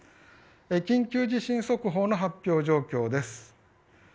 緊急地震速報の発表状況です。